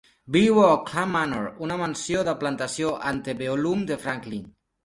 Viu a Oaklawn Manor, una mansió de plantació antebellum a Franklin.